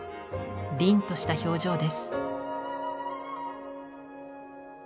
凜とした表情です。